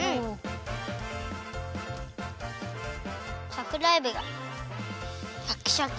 さくらえびがシャキシャキ。